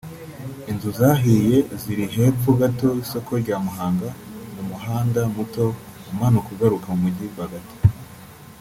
Inzu zahiye ziri hepfo gato y’isoko rya Muhanga mu muhanda muto umanuka ugaruka mu mujyi rwagati